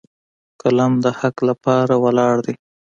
قلم د حق لپاره ولاړ دی